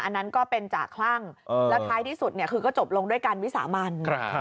อันนั้นก็เป็นจากคลั่งแล้วท้ายที่สุดคือก็จบลงด้วยการวิสามัน